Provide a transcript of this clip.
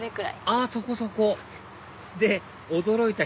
あっそこそこで驚いた